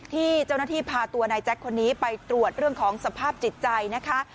ที่เจ้าหน้าที่พาตัวนายแจ๊คคนนี้ไปตรวจเรื่องของสภาพจิตใจนะคะ